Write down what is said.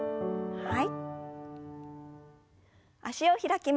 はい。